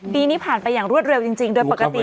ปีนี้ผ่านไปอย่างรวดเร็วจริงโดยปกติ